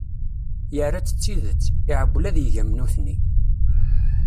Yerra-tt d tidet, iεewwel ad yeg am nutni.